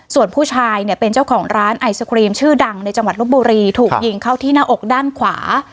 ส่วนผู้ชายเนี่ยเป็นเจ้าของร้านไอศครีมชื่อดังในจังหวัดลบบุรีถูกยิงเข้าที่หน้าอกด้านขวา